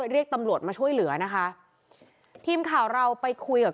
เรียกตำรวจมาช่วยเหลือนะคะทีมข่าวเราไปคุยกับ